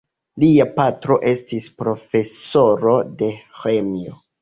Lia patro estis profesoro de ĥemio.